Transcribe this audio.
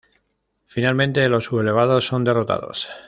Finalmente los sublevados son derrotados.